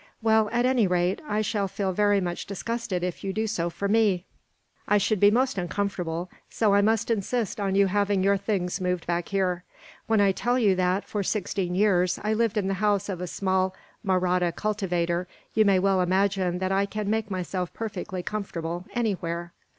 "Well, at any rate, I shall feel very much disgusted if you do so for me. I should be most uncomfortable, so I must insist on you having your things moved back here. When I tell you that, for sixteen years, I lived in the house of a small Mahratta cultivator, you may well imagine that I can make myself perfectly comfortable, anywhere."